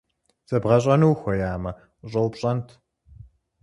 Зэбгъэщӏэну ухуеямэ, ущӏэупщӏэнт.